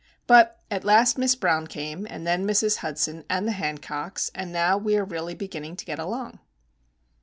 But, at last, Miss Brown came; and then Mrs. Hudson and the Hancocks, and now we are really beginning to get along.